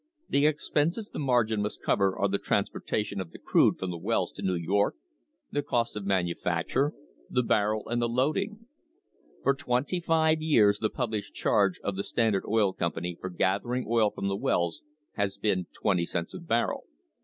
The expenses the margin must cover are the transportation of the crude from the wells to New York, the cost of manufacture, the barrel and the loading. For twenty five years the published charge of the Standard Oil Company for gathering oil from the wells has been twenty cents a barrel.